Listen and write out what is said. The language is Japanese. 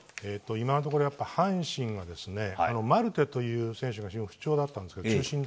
今のところ阪神はマルテという選手が不調だったんですけど。